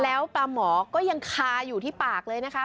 แล้วปลาหมอก็ยังคาอยู่ที่ปากเลยนะคะ